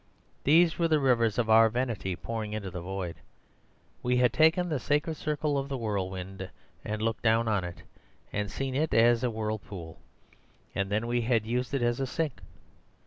These were the rivers of our vanity pouring into the void. We had taken the sacred circle of the whirlwind, and looked down on it, and seen it as a whirlpool. And then we had used it as a sink.